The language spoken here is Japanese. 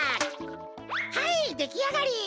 はいできあがり。